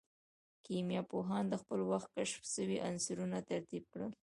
کيميا پوهانو د خپل وخت کشف سوي عنصرونه ترتيب کړل.